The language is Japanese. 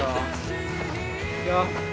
いくよ。